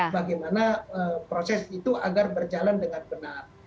bagaimana proses itu agar berjalan dengan benar